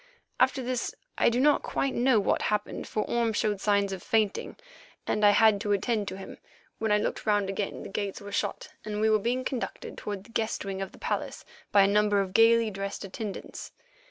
After this I do not quite know what happened for Orme showed signs of fainting, and I had to attend to him. When I looked round again the gates were shut and we were being conducted toward the guest wing of the palace by a number of gaily dressed attendants.